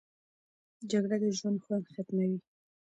جګړه د ژوند خوند ختموي